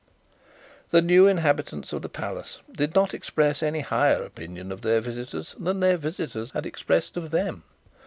The new inhabitants of the palace did not express any higher opinion of their visitors than their visitors had expressed of them.